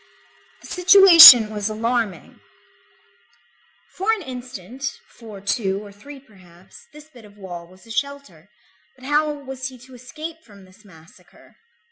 The situation was alarming. For an instant, for two or three perhaps, this bit of wall was a shelter, but how was he to escape from this massacre?